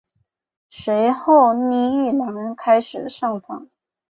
随后倪玉兰开始上访。